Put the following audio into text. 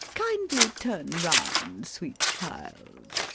] Kindly turn round, sweet child.